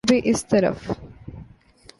کبھی اس طرف۔